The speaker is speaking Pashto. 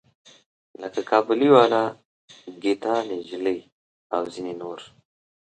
لکه کابلی والا، ګیتا نجلي او ځینې نور.